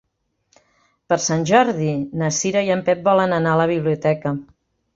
Per Sant Jordi na Cira i en Pep volen anar a la biblioteca.